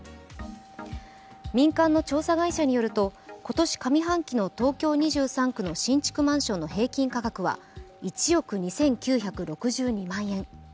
民間の調査会社によると今年上半期の東京２３区の新築マンションの平均価格は１億２９６２万円。